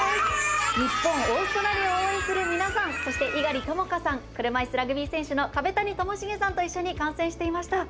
日本、オーストラリアを応援する皆さんそして猪狩ともかさん車いすラグビー選手の壁谷知茂さんと一緒に観戦していました。